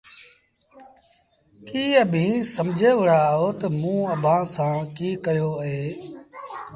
ڪيٚ اڀيٚنٚ سمجھي وهُڙآ اهو تا موٚنٚ اڀآنٚ سآݩٚ ڪيٚ ڪيو اهي؟